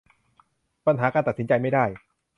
ปัญหาการตัดสินใจไม่ได้